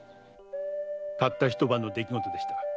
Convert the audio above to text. たった一晩の出来事でした。